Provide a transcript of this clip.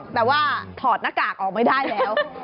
แต่ว่าถอดหน้ากากออกไม่ได้แล้ว